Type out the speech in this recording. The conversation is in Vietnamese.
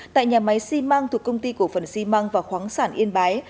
tại nhà máy xi măng thuộc công ty cổ phần xi măng và khoáng sản yên bái